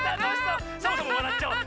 サボさんもわらっちゃおう。